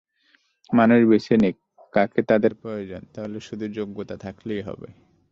মানুষ বেছে নিক, কাকে তাদের প্রয়োজন, তাহলে শুধু যোগ্যতা থাকলেই হবে।